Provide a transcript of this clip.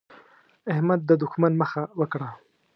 احمد د دوښمن مخه وکړه.